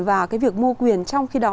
vào việc mua quyền trong khi đó